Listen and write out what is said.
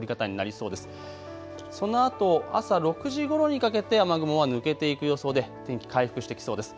そのあと朝６時ごろにかけて雨雲は抜けていく予想で天気、回復してきそうです。